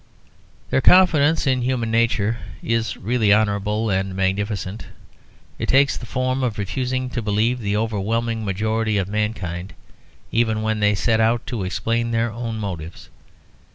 '" Their confidence in human nature is really honourable and magnificent; it takes the form of refusing to believe the overwhelming majority of mankind, even when they set out to explain their own motives.